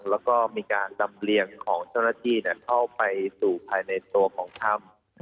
แล้วก็มีการลำเลียงของเจ้าหน้าที่เข้าไปสู่ภายในตัวของถ้ำ